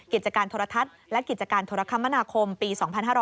กิจการโทรทัศน์และกิจการโทรคมนาคมปี๒๕๕๙